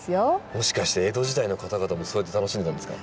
もしかして江戸時代の方々もそうやって楽しんでたんですか？